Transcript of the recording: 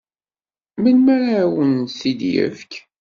Melmi ara awen-t-id-yefk?